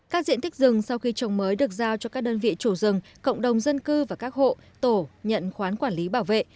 các diện tích rừng sau khi trồng mới được giao cho các đơn vị chủ rừng cộng đồng dân cư và các hộ tổ nhận khoán quản lý bảo vệ